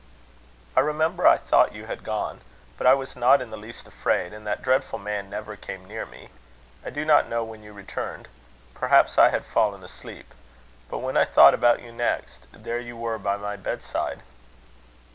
"I remember I thought you had gone, but I was not in the least afraid, and that dreadful man never came near me. I do not know when you returned. Perhaps I had fallen asleep; but when I thought about you next, there you were by my bedside."